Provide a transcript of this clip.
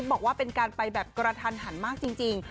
บอกว่าเป็นการไปแบบกระทันหันมากจริง